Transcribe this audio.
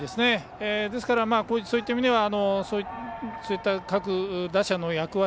そういった意味ではそういった各打者の役割